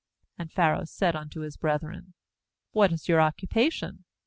3And Pharaoh said unto his brethren: 'What is your occupation?'